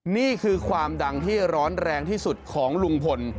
นี่คือความดังที่ร้อนแรงที่สุดของลุงพล